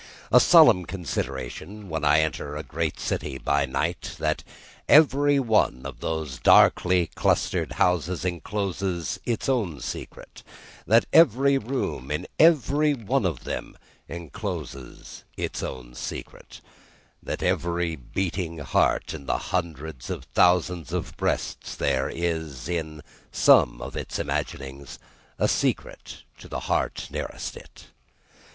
A solemn consideration, when I enter a great city by night, that every one of those darkly clustered houses encloses its own secret; that every room in every one of them encloses its own secret; that every beating heart in the hundreds of thousands of breasts there, is, in some of its imaginings, a secret to the heart nearest it!